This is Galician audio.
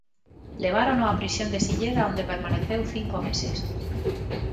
Levárono á prisión de Silleda onde permaneceu cinco meses.